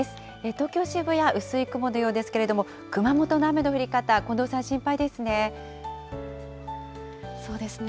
東京・渋谷、薄い雲のようですけれども、熊本の雨の降り方、近藤さん、心配でそうですね。